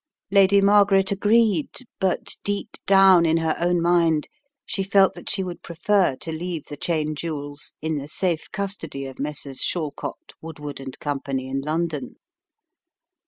Lady Margaret agreed, but deep down in her own mind she felt that she would prefer to leave the Cheyne jewels in the safe custody of Messrs. Shall cott, Woodward & Company in London.